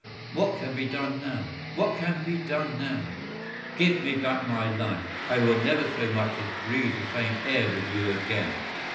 'What can be done now? What can be done now? Give me back my life. I will never so much as breathe the same air with you again!